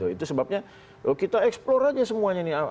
itu sebabnya kita eksplor aja semuanya nih